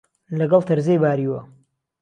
لهگهڵ تهرزهی باریوه